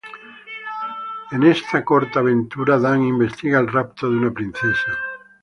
En esta corta aventura Dan investiga el rapto de una princesa.